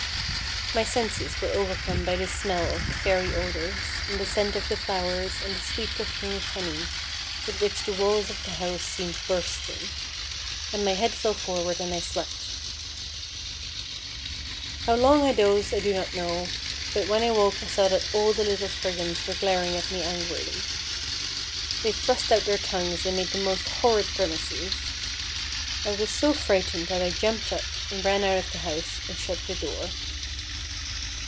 My senses were overcome by the smell of the Fairy odours, and the scent of the flowers, and the sweet perfume of honey, with which the walls of the house seemed bursting. And my head fell forward and I slept. How long I dozed I do not know, but when I woke I saw that all the little Spriggans were glaring at me angrily. They thrust out their tongues and made the most horrid grimaces. I was so frightened that I jumped up, and ran out of the house, and shut the door.